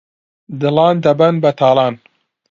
دڵان دەبەن بەتاڵان